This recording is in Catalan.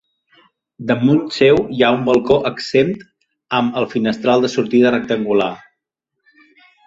Damunt seu hi ha un balcó exempt amb el finestral de sortida rectangular.